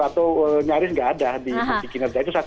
atau nyaris gak ada di kinerja